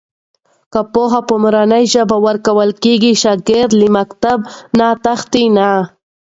که پوهه په مورنۍ ژبه ورکول کېږي، شاګرد له مکتب نه تښتي نه.